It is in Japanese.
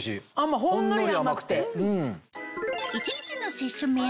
ほんのり甘くて。